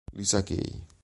Lisa Kay